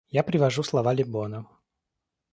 Я привожу слова Лебона.